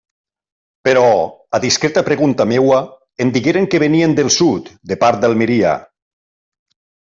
Però, a discreta pregunta meua, em digueren que venien del sud, de part d'Almeria.